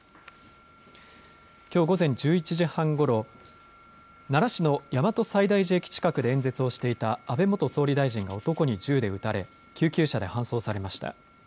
きょう午前１１時半ごろ、奈良市の大和西大寺駅近くで演説をしていた安倍元総理大臣が男に銃で撃たれ救急車で搬送されました。